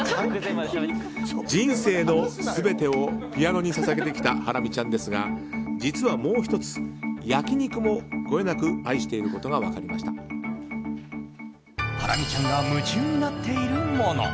人生の全てをピアノに捧げてきたハラミちゃんですが実はもう１つ、焼き肉もこよなく愛していることがハラミちゃんが夢中になっているもの